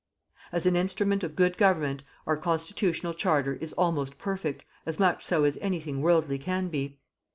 As an instrument of good government our constitutional charter is almost perfect, as much so as any thing worldly can be.